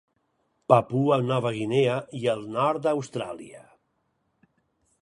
Papua Nova Guinea i el nord d'Austràlia.